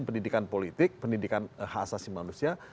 pendidikan politik pendidikan hak asasi manusia